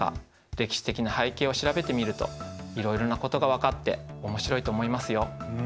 歴史的な背景を調べてみるといろいろなことが分かって面白いと思いますよ。